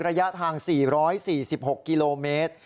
ระยะทาง๔๔๖กิโลเมตร